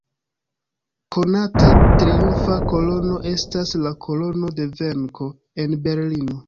Konata triumfa kolono estas la "kolono de venko" en Berlino.